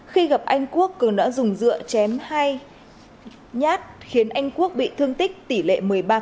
khi gặp anh quốc cường đã dùng dựa chém hai nhát khiến anh quốc bị thương tích tỷ lệ một mươi ba